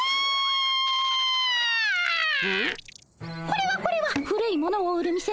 これはこれは古いものを売る店の社長